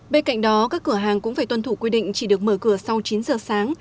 bên cạnh đó các cửa hàng cũng phải tuân thủ quy định chỉ được mở cửa sau chín giờ sáng